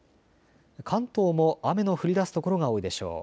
関東も雨の降りだす所が多いでしょう。